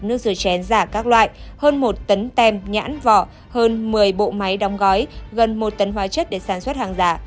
nước rửa chén giả các loại hơn một tấn tem nhãn vỏ hơn một mươi bộ máy đóng gói gần một tấn hóa chất để sản xuất hàng giả